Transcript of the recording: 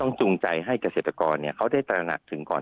จูงใจให้เกษตรกรเขาได้ตระหนักถึงก่อน